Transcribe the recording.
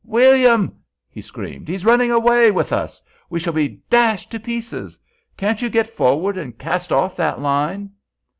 "William!" he screamed, "he is running away with us; we shall be dashed to pieces! Can't you get forward and cast off that line?"